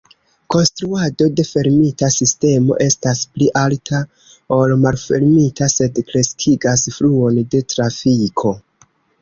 Konstruado de fermita sistemo estas pli alta ol malfermita sed kreskigas fluon de trafiko.